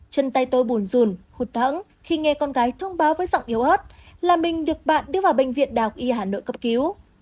chân tay tôi bùn rùn hụt thoẫng khi nghe con gái thông báo với giọng yếu ớt là mình được bạn đưa vào bệnh viện đào y hà nội cấp cứu